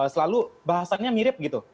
selalu bahasanya mirip gitu